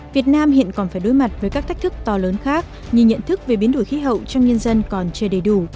việt nam hiện còn phải đối mặt với các thách thức to lớn khác như nhận thức về biến đổi khí hậu trong nhân dân còn chưa đầy đủ